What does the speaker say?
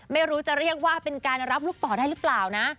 ไม่รู้ว่าจะเรียกว่าเป็นการรับลูกต่อได้หรือเปล่านะ